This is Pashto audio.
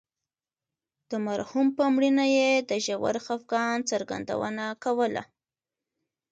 د مرحوم په مړینه یې د ژور خفګان څرګندونه کوله.